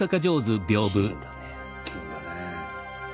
金だね。